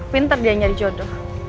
pinter dia nyari jodoh